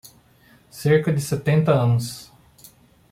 Cerca de setenta anos